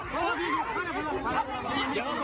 ไปแล้ว